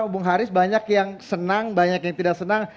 bung haris banyak yang senang banyak yang tidak senang